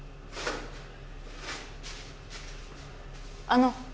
あの。